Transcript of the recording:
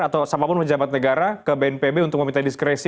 atau siapapun pejabat negara ke bnpb untuk meminta diskresi